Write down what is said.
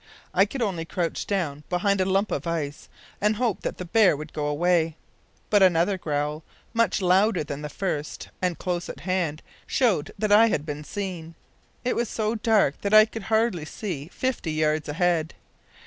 I could only crouch down behind a lump of ice and hope that the bear would go away, but another growl, much louder than the first, and close at hand, showed that I had been seen. It was so dark that I could hardly see fifty yards ahead.